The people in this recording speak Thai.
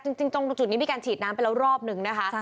จริงตรงจุดนี้มีการฉีดน้ำไปแล้วรอบนึงนะคะ